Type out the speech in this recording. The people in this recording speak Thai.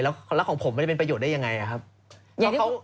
แล้วความรักของผมมันจะเป็นประโยชน์ได้ยังไงครับ